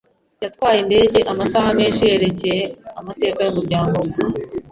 Yatwaye indege amasaha menshi yerekeye amateka yumuryango we.